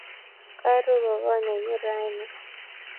Karo gogo nenyu raini